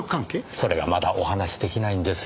それがまだお話し出来ないんですよ。